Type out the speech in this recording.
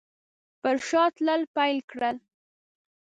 پر شا تلل پیل کړل.